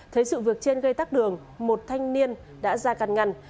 thấy sự việc trên gây tắc đường một thanh niên đã ra căn ngăn